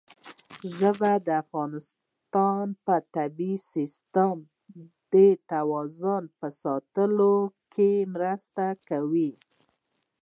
ژبې د افغانستان د طبعي سیسټم د توازن په ساتلو کې مرسته کوي.